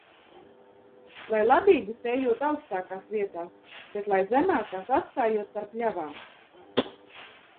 Lai labību sējot augstākās vietās, bet lai zemākās atstājot par pļavām.